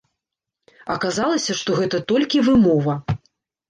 Аказалася, што гэта толькі вымова.